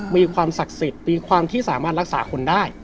มีความศักดิ์สิทธิ์มีความที่สามารถรักษาคนได้